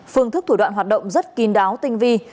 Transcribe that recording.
phương thức thủ đoạn hoạt động rất kín đáo tinh vi